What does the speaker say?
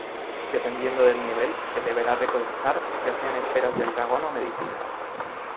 Dependiendo del nivel, se deberá recolectar, ya sean esferas del dragón o medicina.